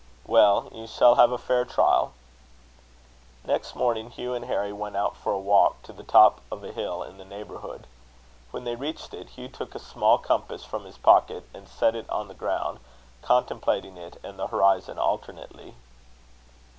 "Well, you shall have a fair trial." Next morning Hugh and Harry went out for a walk to the top of a hill in the neighbourhood. When they reached it, Hugh took a small compass from his pocket, and set it on the ground, contemplating it and the horizon alternately.